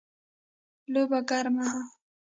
لوبه ګرمه ده